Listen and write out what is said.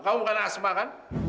kamu bukan asma kan